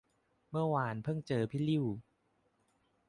เมื่อวานเพิ่งเจอพี่ลิ่ว